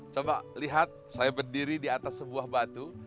coba lihat saya berdiri di atas sebuah batu